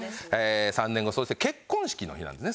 ３年後そして結婚式の日なんですね